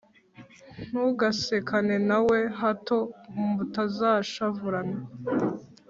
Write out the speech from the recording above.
Ntugasekane na we, hato mutazashavurana,